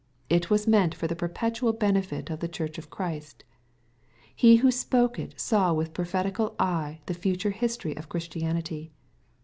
It was meant for the perpetual benefit of the Church of Christ. He who spoke it saw with prophetical eye the future history of Christianity.